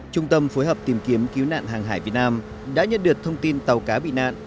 trung tâm phối hợp tìm kiếm cứu nạn hàng hải việt nam đã nhận được thông tin tàu cá bị nạn